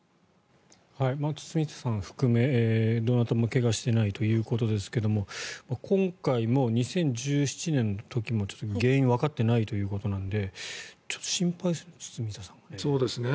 堤下さん含め、どなたも怪我してないということですが今回も２０１７年の時も原因がわかっていないということですのでちょっと心配堤下さんね。